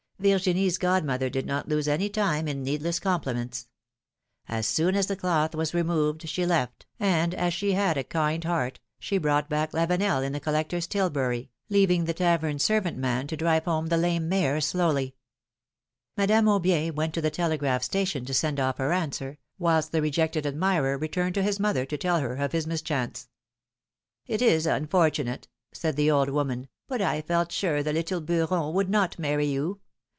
Virginie's godmother did not lose any time in needless compliments. As soon as the cloth was removed she left, and as she had a kind heart, she brought back Lavenel in the collector's tilbury, leaving the tavern servant man to drive home the lame mare slowly. Madame Aubier went 308 philom^:ne's marriages. to the telegraph statioa to send off her answer, whilst the rejected admirer returned to his mother to tell her of his mischance. It is unfortunate,^^ said the old woman, but I felt sure the little Beuron would not many you.